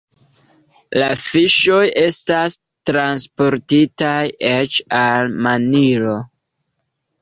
La fiŝoj estas transportitaj eĉ al Manilo.